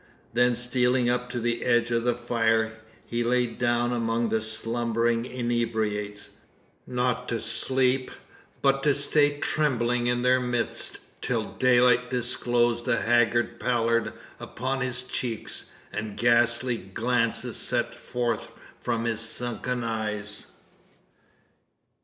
Then stealing up to the edge of the fire, he lay down among the slumbering inebriates not to sleep, but to stay trembling in their midst, till daylight disclosed a haggard pallor upon his cheeks, and ghastly glances sent forth from his sunken eyes.